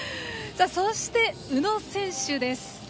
そして、宇野選手です。